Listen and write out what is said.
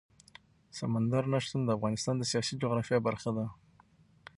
سمندر نه شتون د افغانستان د سیاسي جغرافیه برخه ده.